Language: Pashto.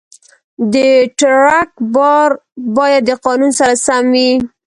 د ټرک بار باید د قانون سره سم وي.